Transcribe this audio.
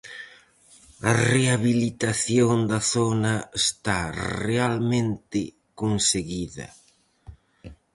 A rehabilitación da zona está realmente conseguida.